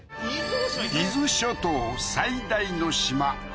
伊豆諸島最大の島